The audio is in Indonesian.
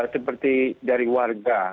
seperti dari warga